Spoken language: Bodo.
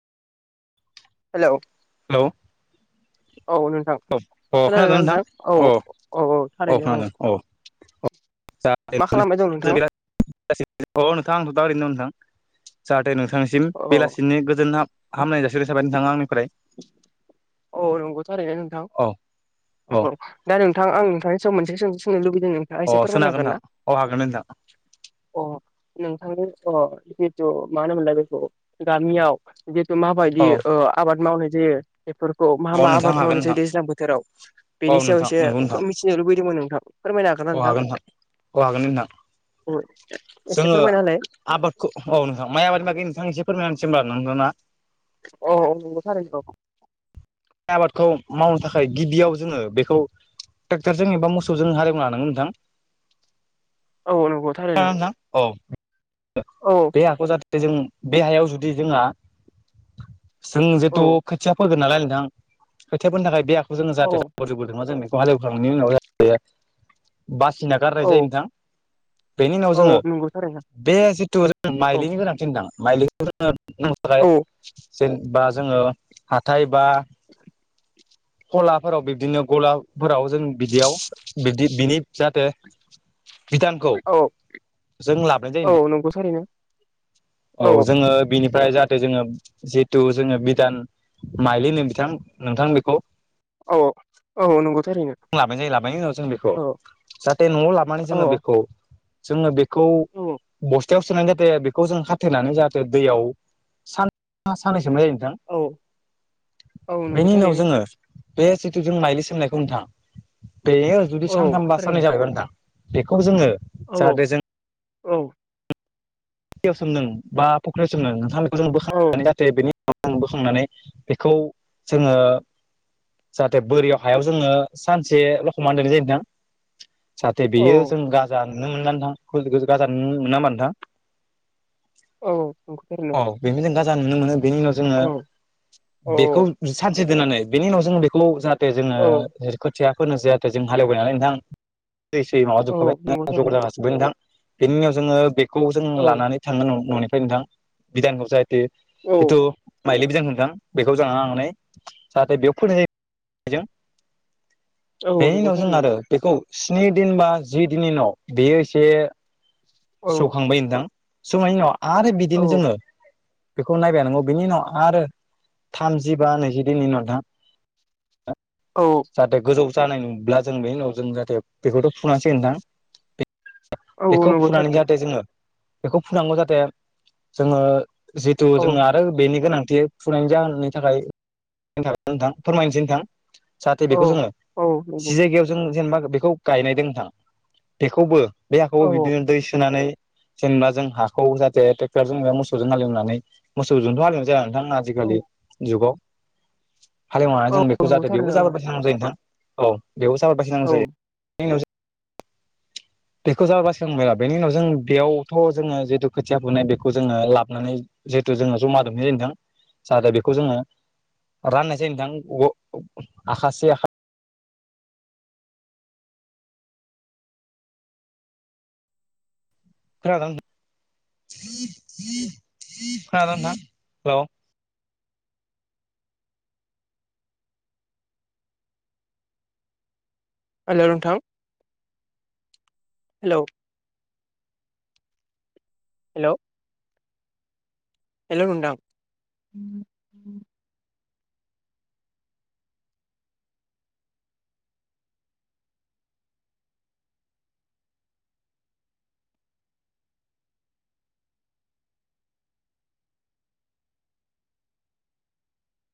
हेलौ हेलौ औ नों थां औ अ खोनादों खोनादोना नोंथां अ औ-औ-औ थारैनो औ। दा मा खालामबाय दं नोंथां [unintelligible] अ नोंथां आंथ' दा ओरैनो दो नोंथां जाहाते नोंथांनिस सिम औ बेलासिनि गोजोन हाब-हामनाय जासिहरनाय थाबाय नोंथां आंनिफ्राय। [inaudible] औ नंगौ थारैनो नोंथां औ औ दा नोंथां आं नोंथांनि सायाव मोनसे सोंथि सोंनो लुबैदों नों दा अ एसे सोनो फोरमायनो हागोन ना नोंथां अ नोंथांनि अ जिहेतु मा होनोमोनलाय बेखौ गामियाव जिहेथु मा औ हागोन नोंथां औ बायदि अ ओ आबाद मावनाय जायो। फोरखौ मा-मा नोंथां आबाद हागोन मावनाय नोंथां जायो दैज्लां बोथोराव औ बिनि सायाव नोंथां एसे नंगौ फो नोंथां मिथिनो लुबैदोंमोन नोंथां फोरमायनो हागोन ना नोंथां? अ हागोन नोंथां। [unintelligible] एसे जोङो फोरमायना होलाय आबादखौ औ नोंथां माइ आबादनि बागै नोंथां एसे फोरमायसै होमबा [unintelligible] ना अ-औ [unintelligible] माइ आबादखौ मावनो थाखाय गिबियाव जोङो बेखौ ट्रेक्टरजों एबा मोसौजों हालेवना लानांगोन नोंथां। औ नंगौ थारैनो थां [unintelligible] औ बे हाखौ जाहाथे जों बे हायाव जुदि जोंहा जों औ जेथु खोथिया फोगोन नालाय नोंथां। खोथिया फोनो थाखाय बे हाखौ जोङो जाहाथे औ [unintelligible] बेखौ हालेवखांनायनि उनाव जा बेयो बासिना औ गारनाय जायो नोंथां। बेनि उनाव औ औ जोङो नंगौ थारैनो बे जिथु [inaudible] औ माइलिनि गोनां। थिनदां माइलिखौ जोङो [inaudible] औ जेन बा जोङो हाथाय बा खलाफोराव बिदिनो गलाफोराव जों बिदियाव बिदि बिनि जाहाथे बिधानखौ औ जों लाबोनाय जायो [unintelligible] औ नंगौ थारैनो। औ जोङो बिनि- फ्राय जाहाथे जोङो जिहेथु जोङो बिधान माइलि होनो बिथां नोंथां बेखौ। औ-औ नंगौ थारैनो। लाबाय जायो लाबायनि उनाव जों बेखौ औ जाहाथे न'आव लाबनानै औ जोङो बेखौ जोङो बे- खौ औ बस- टायाव सोनानै दोनबाय आरो बेखौ जों खाथेनानै जाहाथे दैयाव सान साननै सोमनाय जायो नोंथां। औ औ नंगौ बेनि उनाव थारैनो जोङो बे जिथु जों माइलि सोमनायखौ नोंथां। बेयो जुदि औ सानथामबा साननै जाबायबा नोंथां बेखौ जोङो जाहाथे जों औ-औ-औ। दैयाव सोमदों बा फ'ख्रियाव सोंदों ओ बेखौ जों बोखांनानै जाथे बेनि [inaudible] बोखांनानै बेखौ जोङो जाहाथे बोरियाव हायाव जोङो सानसे लखमनानै दोननाय जायो नोथां। जाहाथे औ बेयो जों गाजाननो मोनोना नोथां गाजान मोना मा नोथां। औ नंगौ [unintelligible] बेनो जों गाजा नुनो मोनो बेनि उनाव जोङो औ औ बेखौ सानसे दोननानै बेनि उनाव जोङो बेखौ जाहाथे जोङो खोथिया फोनो जाहाथे जों हालेवबाय नालाय नोंथां। दैसै माबा औ जोबखाबाय नंगौ थारैनो नोंथां? बेनि उनाव जोंङो बेखौ जों औ लां न'निफ्राय नोंथां बिधानखौ जाहाथे औ जिथु माइलिबजों होनदों बेखौ जानानै लांनानै जाहाथे बेयाव फोनाय जों [inaudible] औ उनाव जों गथारै आरो बेखौ स्नि दिन बा जि दिननि उनाव बियो एसे औ सौखांबाय नोंथां सौनायनि उनाव आरो औ बिदिनो जोङो बेखौ नायबायनांगौ बिनि उनाव आरो थामजि बा नैजि दिननि उनाव नोंथां औ जाहाथे गोजौ जानाय नुब्ला जों बे उनाव जों जाहाथे बेखौथ' फुनांसिगोन नोंथां। औ बेखौ नंगौ फुनानै जाहाथे जोङो बेखौ फुनांगौ जाहाथे जोङो जिहतु जोहा आरो बेनि गोनांथि फुरनाय जाहोननि थाखाय नोंथां फोरमायनोसै नोंथां। जाहाथे बेखौ जोङो जि औ जायगायाव जों जेनेबा बेखौ गायनाय द नोंथां बेखौबो बे हाखौबो औ नंगौ बिदिनो दै सोनानै जेनेबा जों हाखौ जाथे ट्रेक्टरजों मोसौजों हालेवनानै मोसौजोंथ' हालेवनानै जाया नोंथां आजिखालि जुगाव हालेवनानै जों बेखौ जाहाते बेयावबो थारैनो जाबोर बासिनांगौ जायो नोंथां औ बेबो जाबोर बासिनांगौ औ जायो। बिनि उनाव [inaudible] बेखौ जाबोर बेनि उनाव जों बेयावथ' जोङो जिेथु खोथिया फुनाय बेखौ जोङो लाबनानै जिहेतु जोङो जमा दमै जाहाथे बेखौ जोङो राननाय जायो नोंथां आखासे आखा खोनादों खोनादों नोंथां औ। हेलौ नोंथां हेलौ। हेल'। हेलौ नोंथां।